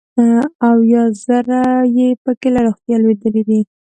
اویا زره یې پکې له روغتیا لوېدلي دي.